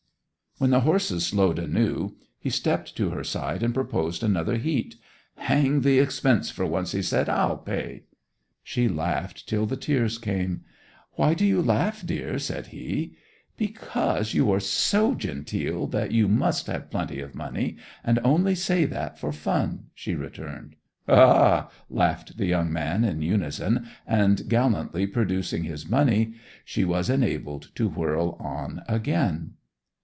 When the horses slowed anew he stepped to her side and proposed another heat. 'Hang the expense for once,' he said. 'I'll pay!' She laughed till the tears came. 'Why do you laugh, dear?' said he. 'Because—you are so genteel that you must have plenty of money, and only say that for fun!' she returned. 'Ha ha!' laughed the young man in unison, and gallantly producing his money she was enabled to whirl on again.